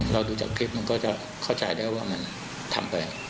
เราดูจากคลิปผมก็จะเข้าใจได้ว่ามันทำกัน